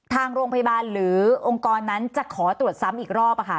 ทางโรงพยาบาลหรือองค์กรนั้นจะขอตรวจซ้ำอีกรอบ